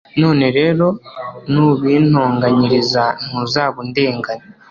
none rero, nubintonganyiriza ntuzaba undenganya